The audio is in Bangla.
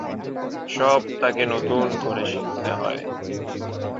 সব তাকে নতুন করে শিখতে হয়।